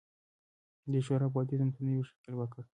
دې شورا بودیزم ته نوی شکل ورکړ